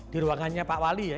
di ruangannya pak wali ya